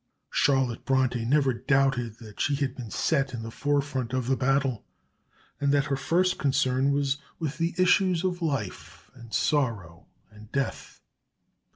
Charlotte Bronte never doubted that she had been set in the forefront of the battle, and that her first concern was with the issues of life and sorrow and death.